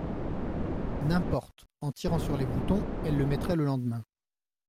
N'importe, en tirant sur les boutons, elle le mettrait le lendemain.